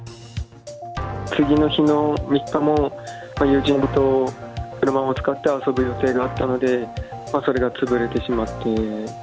次の日の３日も、友人と車を使って遊ぶ予定があったので、それが潰れてしまって。